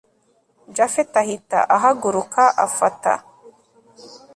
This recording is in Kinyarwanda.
japhet ahita ahaguruka afata